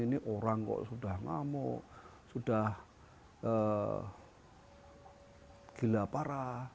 ini orang kok sudah ngamuk sudah gila parah